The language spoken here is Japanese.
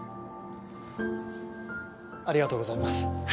ありがとうございます。